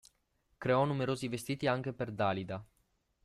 Creò numerosi vestiti anche per Dalida.